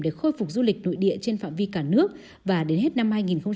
để khôi phục du lịch nội địa trên phạm vi cả nước và đến hết năm hai nghìn hai mươi